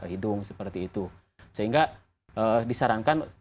hidung seperti itu sehingga disarankan